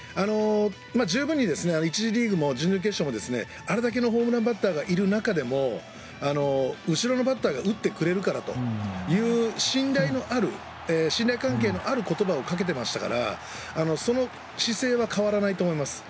十分に１次リーグも、準々決勝もあれだけのホームランバッターがいる中でも後ろのバッターが打ってくれるからという信頼関係のある言葉をかけていましたから、その姿勢は変わらないと思います。